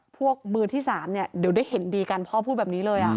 พวกมือที่สามเนี่ยเดี๋ยวได้เห็นดีกันพ่อพูดแบบนี้เลยอ่ะ